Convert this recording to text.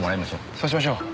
そうしましょう。